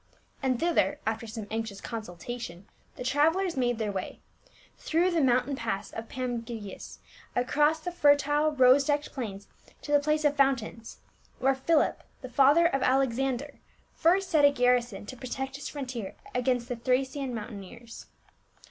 And thither after some anx ious consultation the travelers made their way, through the mountain pass of Pangaeus, across the fertile rose decked plains to " the place of fountains," where Philip, the father of Alexander, first set a garrison to protect his frontier against the Thracian mountaineers.